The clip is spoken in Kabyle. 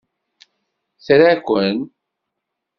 Tra-ken!